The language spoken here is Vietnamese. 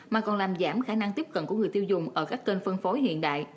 mà còn làm giảm khả năng tiếp cận của người tiêu dùng ở các kênh phân phối hiện đại